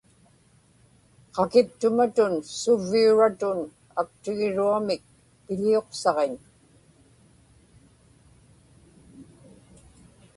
qakiptumatun suvviuratun aktigiruamik piḷiuqsaġiñ